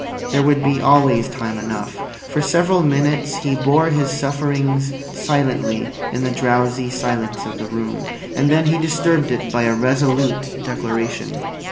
There would be always time enough. For several minutes he bore his sufferings silently in the drowsy silence of the room. And then he disturbed it by a resolute declaration.